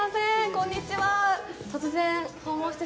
こんにちは。